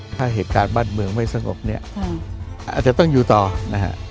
ถ้าเหตุการณ์บ้านเมืองไม่สงบเนี่ยอาจจะต้องอยู่ต่อนะฮะ